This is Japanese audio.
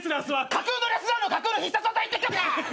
架空のレスラーの架空の必殺技言ってんのか！